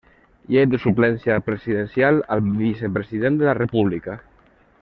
Llei de Suplència Presidencial al Vicepresident de la República.